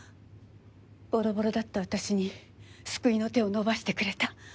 ぼろぼろだった私に救いの手を伸ばしてくれた。